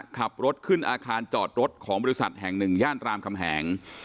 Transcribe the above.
ขับรถขึ้นอาคารจอดรถของบริษัทแห่งหนึ่งย่านรามคำแหง